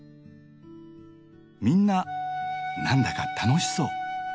みんな何だか楽しそう。